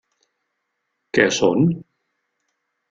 Què són?